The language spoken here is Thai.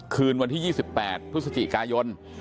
คืนวันที่๒๘พฤศจิกายน